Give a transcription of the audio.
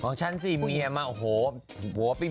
ของที่ฉันเล่น